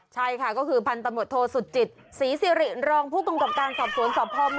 ใช่ค่ะก็คือพันธบทโทษจิตสีสิริรองค์พวกกรรมการสอบสวนสภวน๑๐๑นะ